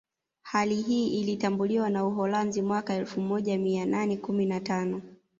Hali hii ilitambuliwa na Uholanzi mwaka elfumoja mia nane kumi na tano